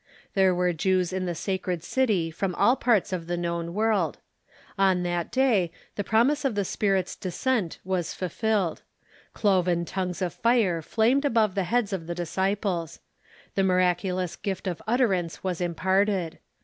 There were Jews in the sacred city from all parts of the known world. On that day tlie promise of the Spirit's descent was fulfilled. Cloven tongues of fire flamed above the lieads of the disciples. The miraculous gift of utterance Avas imparted.